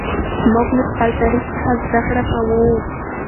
موږ له خپل تاریخ څخه زده کړه کوو.